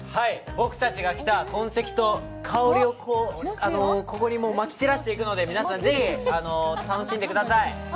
僕たちが来た痕跡と香りをここにまき散らしていくので、皆さん、ぜひ楽しんでください。